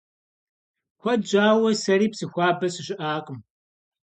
Куэд щӀауэ сэри Псыхуабэ сыщыӀакъым.